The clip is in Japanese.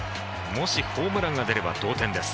もしホームランが出れば同点です。